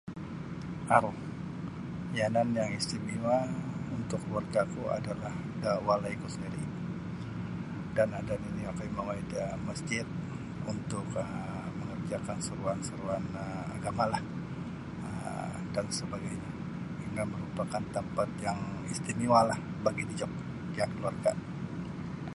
Aru yanan yang istimewa untuk kaluarga'ku adalah da walaiku sendiri' dan ada nini' okoi mongoi da mesjid untuk um mengerjakan seruan-seruan agamalah um dan sebagainya. Ino merupakan tempat yang istimewalah bagi dijok jan kaluarga'.